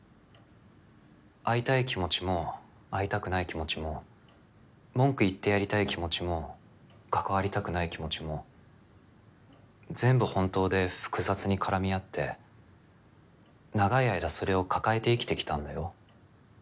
会いたい気持ちも会いたくない気持ちも文句言ってやりたい気持ちも関わりたくない気持ちも全部本当で複雑に絡み合って長い間それを抱えて生きてきたんだよ。